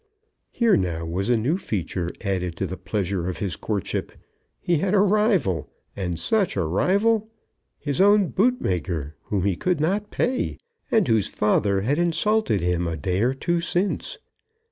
Here was a new feature added to the pleasures of his courtship! He had a rival, and such a rival; his own bootmaker, whom he could not pay, and whose father had insulted him a day or two since.